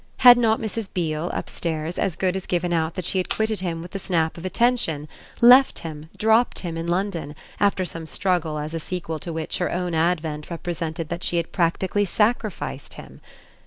Had not Mrs. Beale, upstairs, as good as given out that she had quitted him with the snap of a tension, left him, dropped him in London, after some struggle as a sequel to which her own advent represented that she had practically sacrificed him?